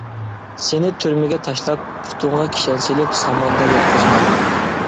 سېنى تۈرمىگە تاشلاپ، پۇتۇڭغا كىشەن سېلىپ، ساماندا ياتقۇزىمەن.